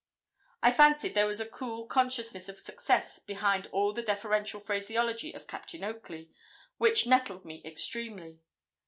I fancied there was a cool consciousness of success behind all the deferential phraseology of Captain Oakley, which nettled me extremely.